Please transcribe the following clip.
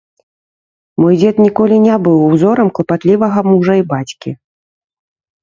Мой дзед ніколі не быў узорам клапатлівага мужа і бацькі.